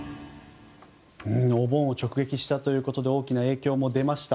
お盆を直撃したということで大きな影響も出ました。